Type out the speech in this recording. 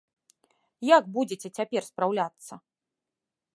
Як будзеце цяпер спраўляцца?